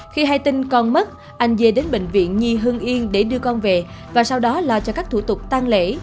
khi hai tinh con mất anh dê đến bệnh viện nhi hương yên để đưa con về và sau đó lo cho các thủ tục tăng lễ